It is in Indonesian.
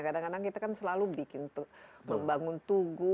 kadang kadang kita kan selalu membangun tugu